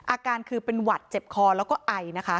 อาการคือเป็นหวัดเจ็บคอแล้วก็ไอนะคะ